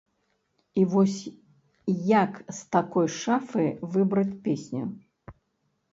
І вось як з такой шафы выбраць песню?